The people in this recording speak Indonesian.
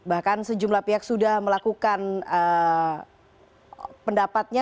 bahkan sejumlah pihak sudah melakukan pendapatnya